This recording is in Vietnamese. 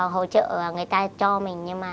hỗ trợ người ta cho mình nhưng mà